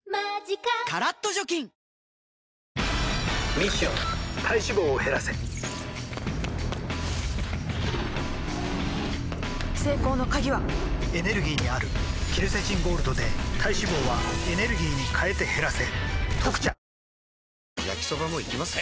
ミッション体脂肪を減らせ成功の鍵はエネルギーにあるケルセチンゴールドで体脂肪はエネルギーに変えて減らせ「特茶」焼きソバもいきます？